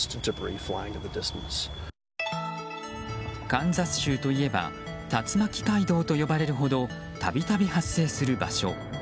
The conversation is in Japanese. カンザス州といえば竜巻街道と呼ばれるほど度々発生する場所。